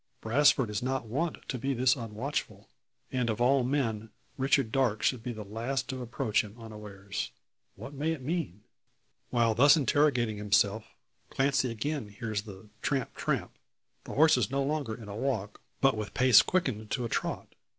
Brasfort is not wont to be thus unwatchful. And of all men Richard Darke should be the last to approach him unawares. What may it mean? While thus interrogating himself, Clancy again hears the "tramp tramp," the horse no longer in a walk, but with pace quickened to a trot.